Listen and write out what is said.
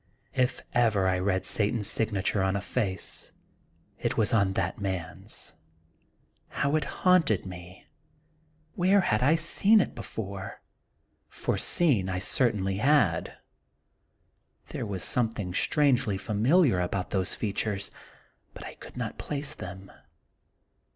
If ever I read Satan's signature on a face, it was on that man's. How it haunted me I Where had I seen it before ? for seen it I certainly had. There was something strangely familiar about those features, but I could not place them.